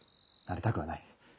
慣れたくはない。